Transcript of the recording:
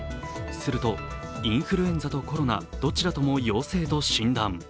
すると、インフルエンザとコロナどちらとも陽性と診断。